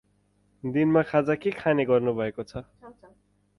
दिनमा खाजा के खाने गर्नुभएको छ?